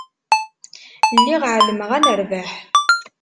Lliɣ εelmeɣ ad nerbeḥ.